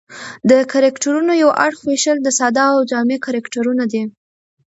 د کرکټرونو یو اړخ وېشل د ساده او جامع کرکټرونه دي.